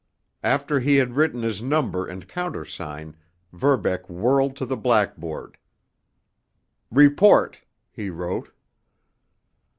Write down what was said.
After he had written his number and countersign, Verbeck whirled to the blackboard. "Report," he wrote.